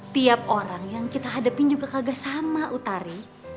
tiap orang yang kita hadapin juga kagak sama utari